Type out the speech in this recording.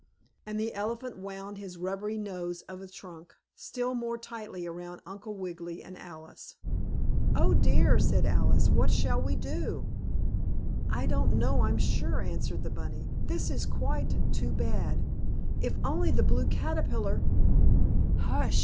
and the elephant wound his rubbery nose of a trunk still more tightly around Uncle Wiggily and Alice. "Oh, dear!" said Alice. "What shall we do?" "I don't know, I'm sure," answered the bunny. "This is quite too bad. If only the Blue Caterpillar " "Hush!"